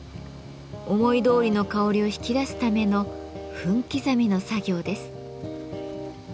思いどおりの香りを引き出すための分刻みの作業です。